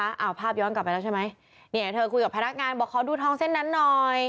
เอาภาพย้อนกลับไปแล้วใช่ไหมเนี่ยเธอคุยกับพนักงานบอกขอดูทองเส้นนั้นหน่อย